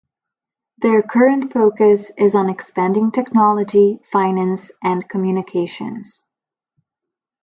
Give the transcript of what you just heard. Their current focus is on expanding technology, finance, and communications.